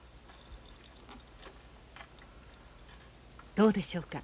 どうでしょうか？